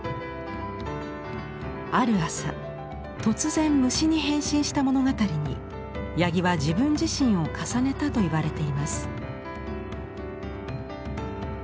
ある朝突然虫に変身した物語に八木は自分自身を重ねたといわれています。